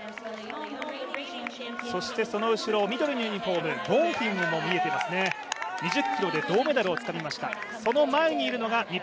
そしてその後ろ、緑のユニフォームボンフィム、２０ｋｍで銅メダルをつかみました。